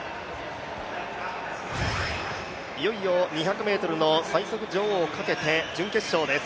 いよいよ２００ｍの最速女王をかけて準決勝です。